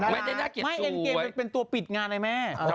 ไม่ได้น่าเกลียดสู่เกมเป็นตัวปิดงานไอ้แม่